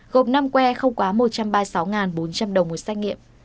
gộp năm quê không quá một trăm ba mươi sáu bốn trăm linh đồng một xét nghiệm